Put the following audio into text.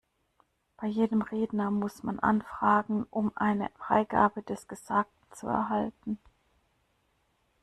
Bei jedem Redner muss man anfragen, um eine Freigabe des Gesagten zu erhalten.